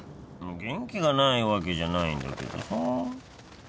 元気がないわけじゃないんだけどさ